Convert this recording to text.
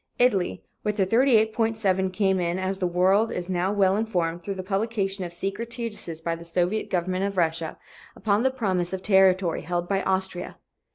Italy with her 38.7 came in, as the world is now well informed through the publication of secret treaties by the Soviet government of Russia, upon the promise of territory held by Austria.